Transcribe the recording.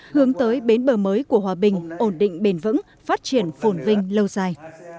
hướng tới bến bờ mới của hòa bình ổn định bền vững phát triển phồn vinh lâu dài